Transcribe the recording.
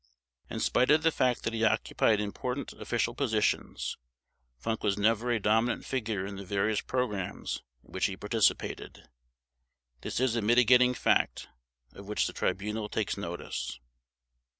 In spite of the fact that he occupied important official positions, Funk was never a dominant figure in the various programs in which he participated. This is a mitigating fact of which the Tribunal takes notice.